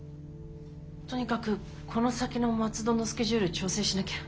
とにかくこの先の松戸のスケジュール調整しなきゃ。